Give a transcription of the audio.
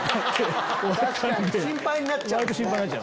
心配になっちゃう。